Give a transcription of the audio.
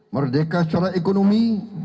merdeka secara ekonomi